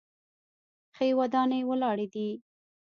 ښې ودانۍ ولاړې دي.